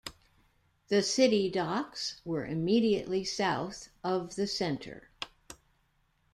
The City Docks were immediately south of the Centre.